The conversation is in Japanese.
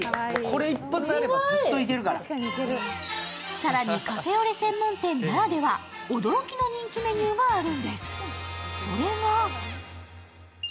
更にカフェオレ専門店ならでは、驚きの人気メニューがあるんです。